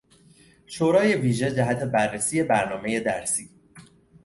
شورای ویژه جهت بررسی برنامهی درسی